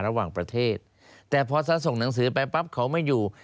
ระหว่างประเทศแต่พอซะส่งหนังสือไปปั๊บเขาไม่อยู่